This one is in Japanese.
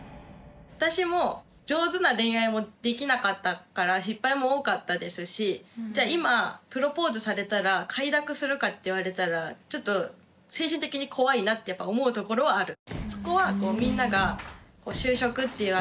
私も上手な恋愛もできなかったから失敗も多かったですしじゃあ今プロポーズされたら快諾するかって言われたらちょっと精神的に怖いなってやっぱ思うところはある。